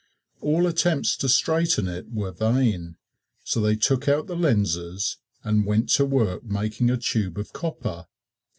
All attempts to straighten it were vain, so they took out the lenses and went to work making a tube of copper.